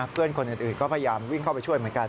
เพื่อนคนอื่นก็พยายามวิ่งเข้าไปช่วยเหมือนกัน